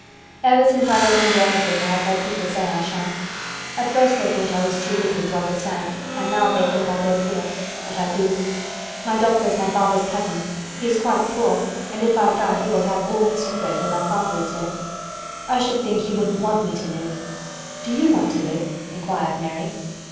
"Ever since I remember anything I have heard people say I shan't. At first they thought I was too little to understand and now they think I don't hear. But I do. My doctor is my father's cousin. He is quite poor and if I die he will have all Misselthwaite when my father is dead. I should think he wouldn't want me to live." "Do you want to live?" inquired Mary.